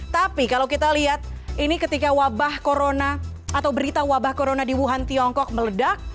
tapi kalau kita lihat ini ketika wabah corona atau berita wabah corona di wuhan tiongkok meledak